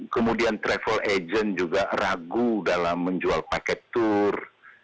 kemudian travel agent juga ragu dalam menjual paket tour